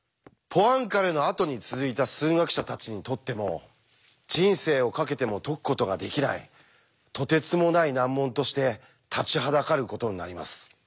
ポアンカレのあとに続いた数学者たちにとっても人生をかけても解くことができないとてつもない難問として立ちはだかることになります。